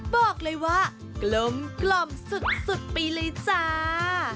บอกเลยว่ากลมสุดไปเลยจ้า